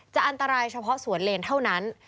อันตรายเฉพาะสวนเลนเท่านั้น